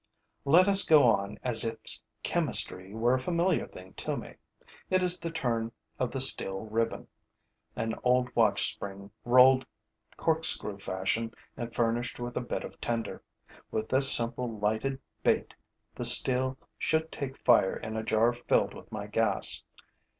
Let us go on as if chemistry were a familiar thing to me. It is the turn of the steel ribbon, an old watch spring rolled corkscrew fashion and furnished with a bit of tinder. With this simple lighted bait, the steel should take fire in a jar filled with my gas.